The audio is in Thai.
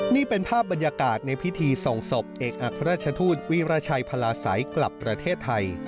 นี่เป็นภาพบรรยากาศในพิธีส่งศพเอกอักราชทูตวีรชัยพลาศัยกลับประเทศไทย